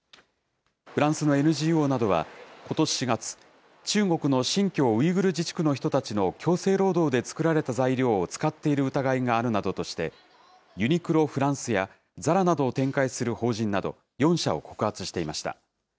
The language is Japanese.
フランスのＮＧＯなどはことし４月、中国の新疆ウイグル自治区の人たちの強制労働で作られた材料を使っている疑いがあるなどとして、ユニクロ・フランスやＺＡＲＡなどを展開する法人など４社を告発していました。